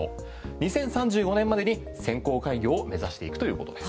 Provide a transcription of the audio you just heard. ２０３５年までに先行開業を目指していくということです。